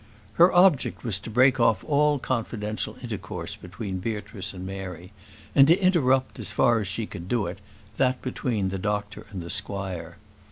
Her object was to break off all confidential intercourse between Beatrice and Mary, and to interrupt, as far as she could do it, that between the doctor and the squire.